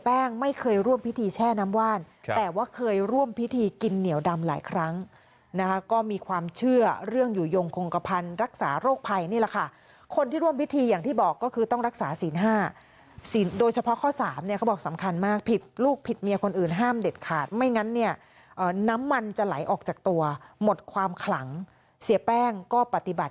พิธีแช่น้ำว่านแต่ว่าเคยร่วมพิธีกินเหนียวดำหลายครั้งก็มีความเชื่อเรื่องอยู่โยงคงกระพันธุ์รักษาโรคภัยคนที่ร่วมพิธีอย่างที่บอกก็คือต้องรักษาสิน๕โดยเฉพาะข้อ๓ก็บอกสำคัญมากผิดลูกผิดเมียคนอื่นห้ามเด็ดขาดไม่งั้นน้ำมันจะไหลออกจากตัวหมดความขลังเสียแป้งก็ปฏิบั